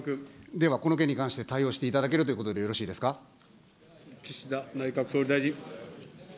では、この件に対して対応していただけるということでよろし岸田内閣総理大臣。